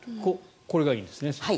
これがいいんですね。